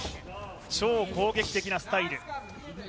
超攻撃的なスタイル。